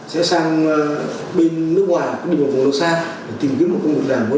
sẽ sang bên nước ngoài đến một vùng lâu xa tìm kiếm một nạn vợ một vùng đồng hòa dân rất là cao